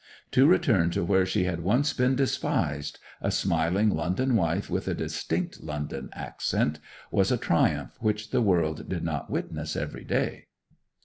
To return to where she had once been despised, a smiling London wife with a distinct London accent, was a triumph which the world did not witness every day.